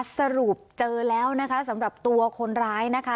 สรุปเจอแล้วนะคะสำหรับตัวคนร้ายนะคะ